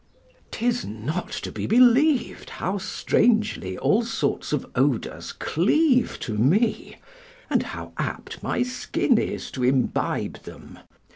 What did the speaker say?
'Tis not to be believed how strangely all sorts of odours cleave to me, and how apt my skin is to imbibe them.